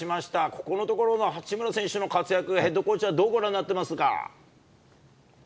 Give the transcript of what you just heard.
ここのところの八村選手の活躍、ヘッドコーチはどうご覧になってますか。